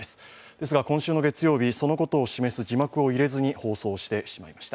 ですが今週の月曜日そのことを示す字幕を入れずに放送してしまいました。